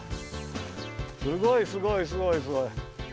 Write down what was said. すごいすごいすごいすごい。